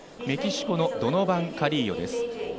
メキシコのドノバン・カリーヨです。